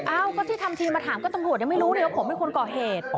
เอ้าก็ที่ทำทีมาถามก็ตำรวจยังไม่รู้เลยว่าผมเป็นคนก่อเหตุ